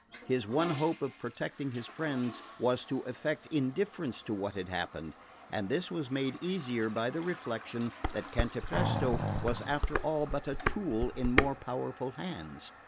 His one hope of protecting his friends was to affect indifference to what had happened; and this was made easier, by the reflection that Cantapresto was after all but a tool in more powerful hands.